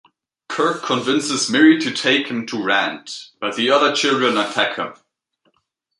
Kirk convinces Miri to take him to Rand, but the other children attack him.